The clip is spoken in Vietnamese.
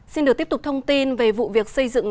xin được tiếp tục thông tin về vụ việc xây dựng